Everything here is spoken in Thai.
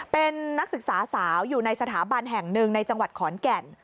เป็นนักศึกษาสาวอยู่ในสถาบันแห่งหนึ่งในจังหวัดขอนแก่น